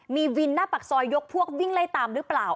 มีวินหน้าปากซอยยกพวกวิ่งไล่ตามหรือเปล่า